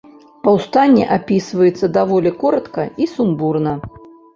Паўстанне апісваецца даволі коратка і сумбурна.